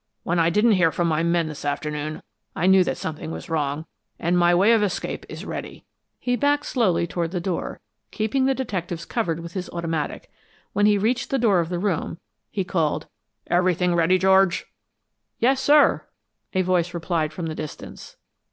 When I didn't hear from my men this afternoon I knew that something was wrong, and my way of escape is ready." He backed slowly toward the door, keeping the detectives covered with his automatic. When he reached the door of the room, he called, "Everything ready, George?" "Yes, sir," a voice replied from the distance.